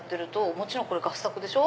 もちろんこれ合作でしょ？